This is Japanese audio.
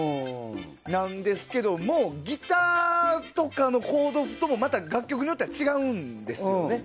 なんですけどもギターとかのコード譜もまた楽曲によって違うんですね。